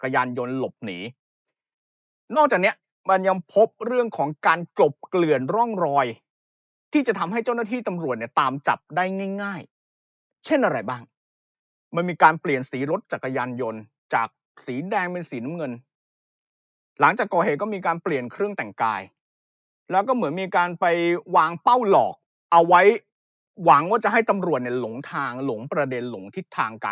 หลบหนีนอกจากเนี้ยมันยังพบเรื่องของการกลบเกลื่อนร่องรอยที่จะทำให้เจ้าหน้าที่ตำรวจเนี่ยตามจับได้ง่ายเช่นอะไรบ้างนะครับมันมีการเปลี่ยนสีรถจักรยานยนต์จากสีแดงเป็นสีน้ำเงินนะครับหลังจากก่อเหตุก็มีการเปลี่ยนเครื่องแต่งกายแล้วก็เหมือนมีการไปวางเป้าหลอกเอาไว้หวังว่าจะให้ตำรวจเนี่ยหลงทางหลงประเด็นหลงทิศทางก